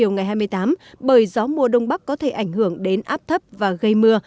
năm hai nghìn hai mươi tám bởi gió mùa đông bắc có thể ảnh hưởng đến áp thấp và gây mưa